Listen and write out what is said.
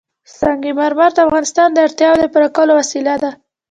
سنگ مرمر د افغانانو د اړتیاوو د پوره کولو وسیله ده.